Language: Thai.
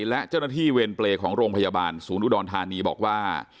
และเจ้าหน้าที่เวรเปรย์ของโรงพยาบาลศูนย์อุดรธานีบอกว่า